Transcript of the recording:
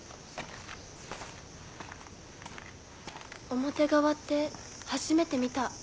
表側って初めて見た。